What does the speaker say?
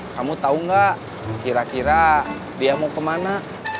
kamu tau gak kira kira dia mau kemana